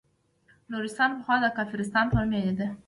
نورستان پخوا د کافرستان په نوم یادیده